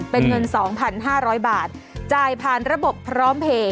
เป็นเงิน๒๕๐๐บาทจ่ายผ่านระบบพร้อมเพลย์